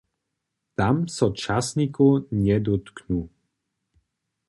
Tam so časnikow njedótknu.